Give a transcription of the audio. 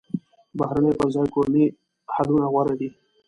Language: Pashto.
د بهرنیو پر ځای کورني حلونه غوره دي.